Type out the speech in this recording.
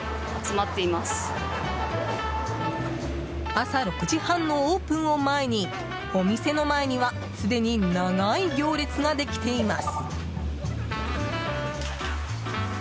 朝６時半のオープンを前にお店の前にはすでに長い行列ができています。